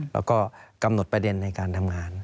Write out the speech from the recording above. แล้วก็กำหนดประเด็นในการทำงาน